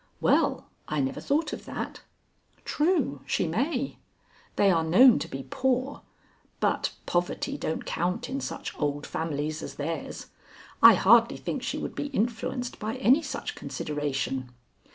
Well, I never thought of that. True, she may. They are known to be poor, but poverty don't count in such old families as theirs. I hardly think she would be influenced by any such consideration.